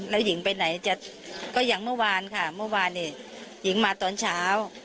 แล้วหญิงไปไหนจะก็อย่างเมื่อวานค่ะเมื่อวานนี้หญิงมาตอนเช้า